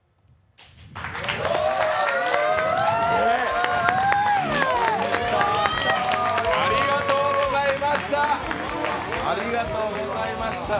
すげ、ありがとうございました。